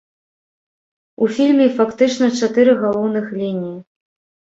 У фільме фактычна чатыры галоўных лініі.